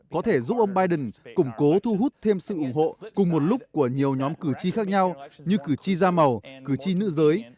có thể giúp ông biden củng cố thu hút thêm sự ủng hộ cùng một lúc của nhiều nhóm cử tri khác nhau như cử tri da màu cử tri nữ giới